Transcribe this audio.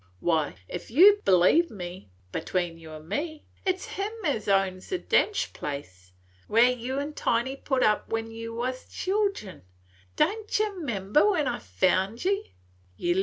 Why, if you b'lieve me, 'tween you an' me, it 's him as owns the Dench Place, where you and Tiny put up when you wus children! Don't ye 'member when I found ye?